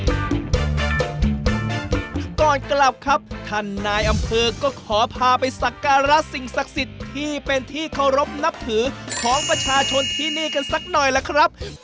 ก่อนกลับครับท่านนายอำเภอก็ขอพาไปสักการะสิ่งศักดิ์สิทธิ์ที่เป็นที่เคารพนับถือของประชาชนที่นี่กันสักหน่อยล่ะครับ